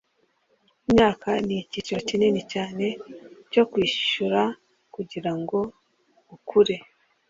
imyaka nigiciro kinini cyane cyo kwishyura kugirango ukure